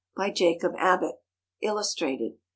By JACOB ABBOTT. _ILLUSTRATED.